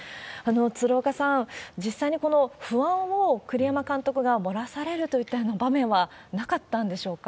鶴岡さん、実際にこの不安を、栗山監督が漏らされるといったような場面はなかったんでしょうか？